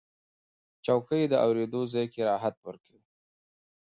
چوکۍ د اورېدو ځای کې راحت ورکوي.